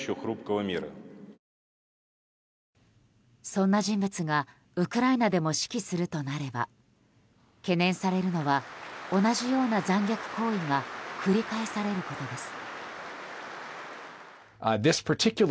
そんな人物が、ウクライナでも指揮するとなれば懸念されるのは同じような残虐行為が繰り返されることです。